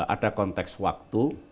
ada konteks waktu